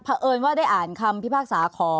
ภารกิจสรรค์ภารกิจสรรค์